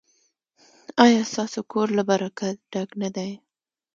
ایا ستاسو کور له برکت ډک نه دی؟